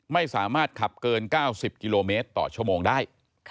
ไม่สามารถขับเกิน๙๐กิโลเมตรต่อชั่วโมงได้